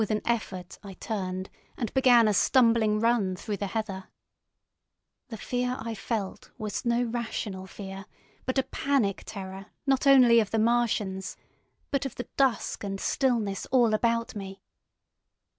With an effort I turned and began a stumbling run through the heather. The fear I felt was no rational fear, but a panic terror not only of the Martians, but of the dusk and stillness all about me.